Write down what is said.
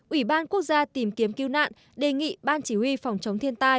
ủy ban quốc gia tìm kiếm cứu nạn đề nghị ban chỉ huy phòng chống thiên tai